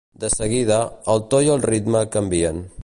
De seguida, el to i el ritme canvien.